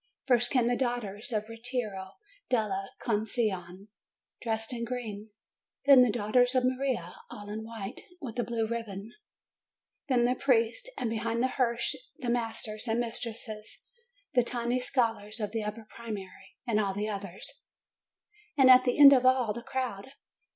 First came the daughters of the Ritiro della Concezione, dressed in green; then the daughters of Maria, all in white, with a blue ribbon ; then the priests ; and behind the hearse, the masters and mistresses, the tiny scholars of the upper primary, and all the others; and, at the end of all, the crowd.